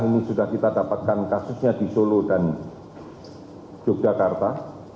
ini sudah kita dapatkan kasusnya di solo dan yogyakarta